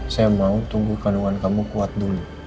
saya mau tumbuh kandungan kamu kuat dulu